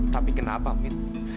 tapi kenapa mit